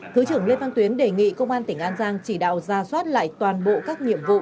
thứ trưởng lê văn tuyến đề nghị công an tỉnh an giang chỉ đạo ra soát lại toàn bộ các nhiệm vụ